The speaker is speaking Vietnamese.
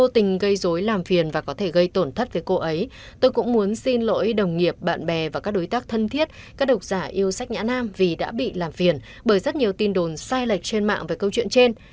tôi cũng muốn xin lỗi đồng nghiệp bạn bè và các đối tác thân thiết các độc giả yêu sách nhã nam vì đã bị làm phiền bởi rất nhiều tin đồn sai lệch trên mạng về câu chuyện trên